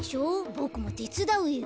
ボクもてつだうよ。